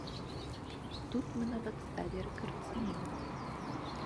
Тут мы нават сталі рэкардсменамі.